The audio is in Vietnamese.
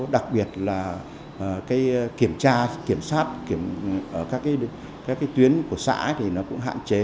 đặc biệt là cái kiểm tra kiểm soát ở các cái tuyến của xã thì nó cũng hạn chế